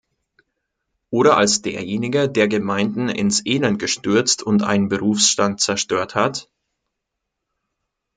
Oder als derjenige, der Gemeinden ins Elend gestürzt und einen Berufsstand zerstört hat?